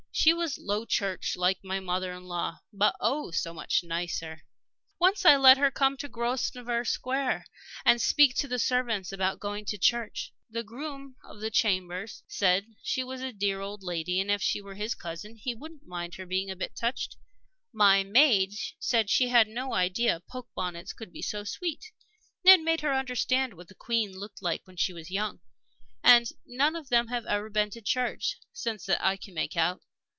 She was Low Church, like my mother in law; but, oh, so much nicer! Once I let her come to Grosvenor Square and speak to the servants about going to church. The groom of the chambers said she was 'a dear old lady, and if she were his cousin he wouldn't mind her being a bit touched,' My maid said she had no idea poke bonnets could be so sweet. It made her understand what the Queen looked like when she was young. And none of them have ever been to church since that I can make out.